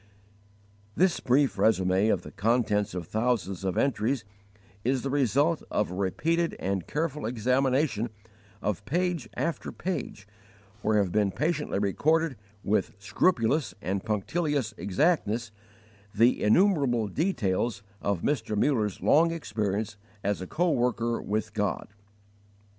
This brief resume of the contents of thousands of entries is the result of a repeated and careful examination of page after page where have been patiently recorded with scrupulous and punctilious exactness the innumerable details of Mr. Muller's long experience as a coworker with God.